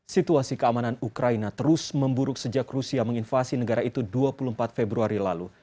situasi keamanan ukraina terus memburuk sejak rusia menginvasi negara itu dua puluh empat februari lalu